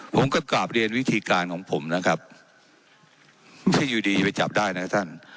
ผมก็กราบเรียนวิธีการของผมนะครับไม่ใช่อยู่ดีไปจับได้นะท่าน